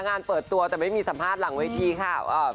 งานเปิดตัวแต่ไม่มีสัมภาษณ์หลังเวทีค่ะ